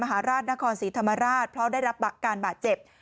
มหาราชนครศรีธรรมราชเพราะได้รับการบาดเจ็บ